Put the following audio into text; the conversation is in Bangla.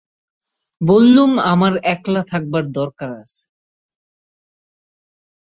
বললুম, আমার একলা থাকবার দরকার আছে।